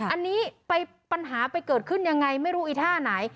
อันนี้ปัญหาไปเกิดขึ้นยังไงไม่รู้อีท่าไหน